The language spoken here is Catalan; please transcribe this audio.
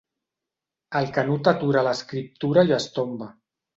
El Canut atura l'escriptura i es tomba.